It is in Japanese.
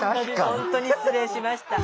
ほんとに失礼しました。